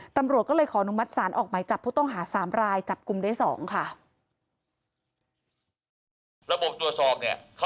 ตำรวจก็เลยขออนุมัติศาลออกหมายจับผู้ต้องหา๓รายจับกลุ่มได้๒ค่ะ